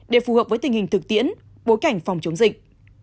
để phù hợp với tình hình thực tiễn bối cảnh phòng chống dịch